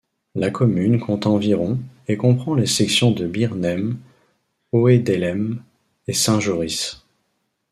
La commune compte environ et comprend les sections de Beernem, Oedelem et Sint-Joris.